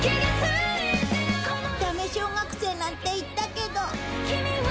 ダメ小学生なんて言ったけど。